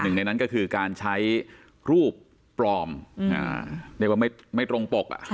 หนึ่งในนั้นก็คือการใช้รูปปลอมเรียกว่าไม่ตรงปก